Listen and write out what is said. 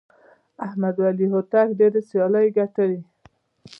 احمد ولي هوتک ډېرې سیالۍ ګټلي.